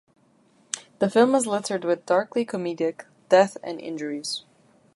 The film is littered with darkly comedic deaths and injuries.